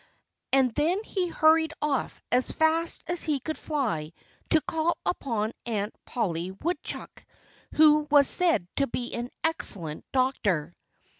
And then he hurried off as fast as he could fly to call upon Aunt Polly Woodchuck, who was said to be an excellent doctor.